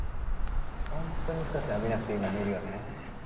ホントに深瀬は見なくていいもん見るよね